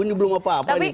ini belum apa apa